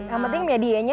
yang penting medianya